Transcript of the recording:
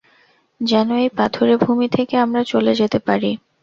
যেনো এই পাথুরে ভূমি থেকে আমরা চলে যেতে পারি।